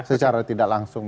secara tidak langsung